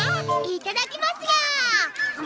いただきますニャ！